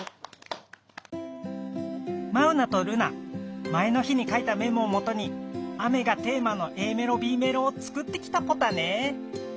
マウナとルナ前の日に書いたメモをもとに雨がテーマのＡメロＢメロを作ってきたポタね。